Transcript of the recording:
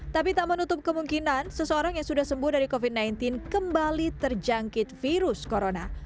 tapi tak menutup kemungkinan seseorang yang sudah sembuh dari covid sembilan belas kembali terjangkit virus corona